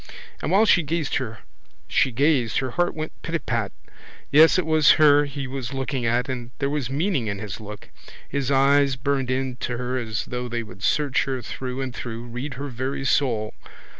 And while she gazed her heart went pitapat. Yes, it was her he was looking at, and there was meaning in his look. His eyes burned into her as though they would search her through and through, read her very soul.